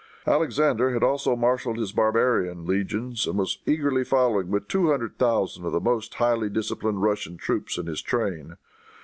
Alexander had also marshaled his barbarian legions and was eagerly following, with two hundred thousand of the most highly disciplined Russian troops in his train.